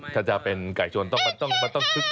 ถ้าจะเป็นไก่ชนต้องมาต้องมาต้องครึกทนอน